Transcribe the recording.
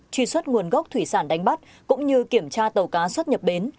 truy xuất nguồn gốc thủy sản đánh bắt cũng như kiểm tra tàu cá xuất nhập bến